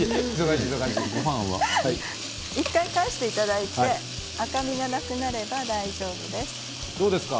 １回返していただいて赤みがなくなれば大丈夫です。